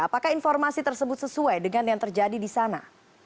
apakah informasi tersebut sesuai dengan yang terjadi di sana